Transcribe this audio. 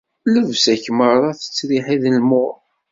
Llebsa-k merra tettriḥi d lmuṛ.